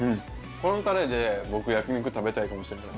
このタレで焼き肉食べたいかもしれない。